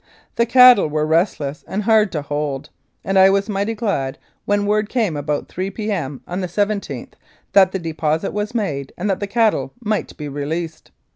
The cattle were restless and hard to hold, and I was mighty glad when word came about 3 P.M. on the iyth that the deposit was made and that the cattle might be released.